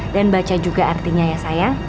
dan baca juga artinya ya sayang